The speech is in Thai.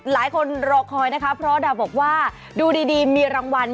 รอคอยนะคะเพราะดาวบอกว่าดูดีมีรางวัล